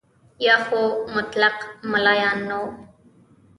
یا خو مطلق ملایان نه وو.